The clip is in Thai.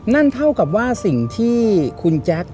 นั่นเท่ากับว่าสิ่งที่คุณแจ๊ค